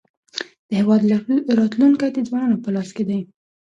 د هېواد راتلونکی د ځوانانو په لاس کې دی.